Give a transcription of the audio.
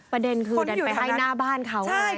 ประเด็นคือดันไปให้หน้าบ้านเขาไง